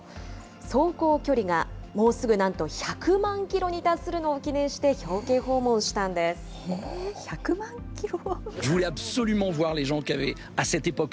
走行距離がもうすぐなんと１００万キロに達するのを記念して、表１００万キロ？